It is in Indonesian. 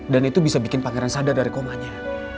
dan itu bisa bikin pangeran sadar dari komanya